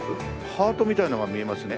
ハートみたいなのが見えますね。